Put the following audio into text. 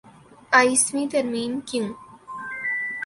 ائیسویں ترمیم کیوں؟